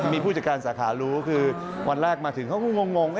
มีผู้จัดการสาขารู้คือวันแรกมาถึงเขาก็งง